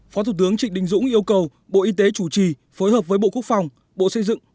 phó thủ tướng trịnh đình dũng yêu cầu bộ y tế chủ trì phối hợp với bộ quốc phòng bộ xây dựng